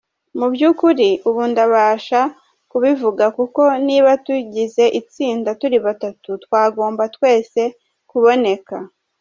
Mu byukuri ubu ndabasha kubivuga kuko niba tugize itsinda turi batatu twagomba twese kuboneka.